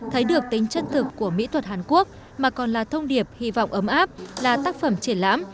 thấy được tính chân thực của mỹ thuật hàn quốc mà còn là thông điệp hy vọng ấm áp là tác phẩm triển lãm